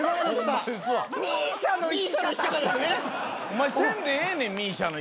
お前せんでええねん